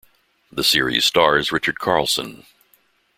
The series stars Richard Carlson.